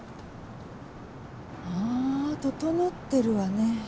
あぁ整ってるわね。